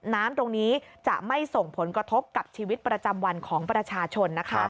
น้ำตรงนี้จะไม่ส่งผลกระทบกับชีวิตประจำวันของประชาชนนะคะ